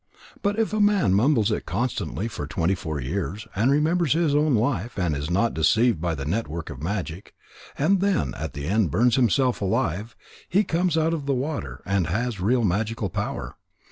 But if a man mumbles it constantly for twenty four years, and remembers his own life, and is not deceived by the network of magic, and then at the end burns himself alive, he comes out of the water, and has real magic power.